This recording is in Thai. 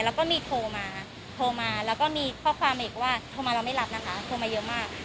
แล้วก็มีโทรมาโทรมาแล้วก็มีข้อความอีกว่าโทรมาเราไม่รับนะคะโทรมาเยอะมาก